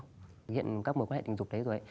hiện các mối quan hệ tình dục đấy rồi